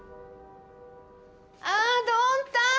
ああドンタン！